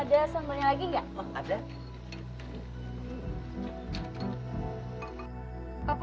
terima kasih pak